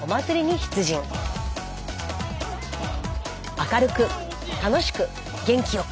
明るく楽しく元気よく。